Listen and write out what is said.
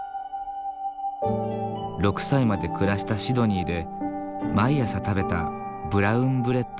６歳まで暮らしたシドニーで毎朝食べたブラウンブレッド。